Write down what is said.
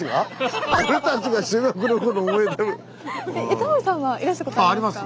タモリさんはいらしたことありますか？